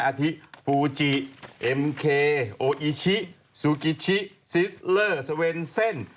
อาทิฟูจิเอ็มเคโออิชิซูกิชิซิสเลอร์สเวนเซ่น